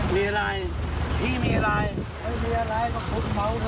มีอะไรพี่มีอะไร